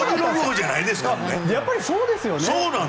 やっぱりそうですよね。